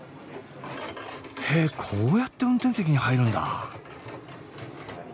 へえこうやって運転席に入るんだ。